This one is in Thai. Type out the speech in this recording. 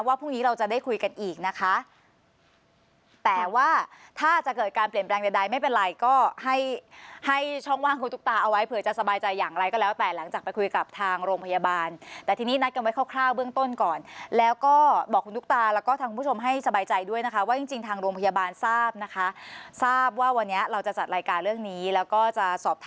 พรุ่งนี้เราจะได้คุยกันอีกนะคะแต่ว่าถ้าจะเกิดการเปลี่ยนแปลงใดไม่เป็นไรก็ให้ให้ช่องว่างคุณตุ๊กตาเอาไว้เผื่อจะสบายใจอย่างไรก็แล้วแต่หลังจากไปคุยกับทางโรงพยาบาลแต่ทีนี้นัดกันไว้คร่าวเบื้องต้นก่อนแล้วก็บอกคุณตุ๊กตาแล้วก็ทางคุณผู้ชมให้สบายใจด้วยนะคะว่าจริงจริงทางโรงพยาบาลทราบนะคะทราบว่าวันนี้เราจะจัดรายการเรื่องนี้แล้วก็จะสอบท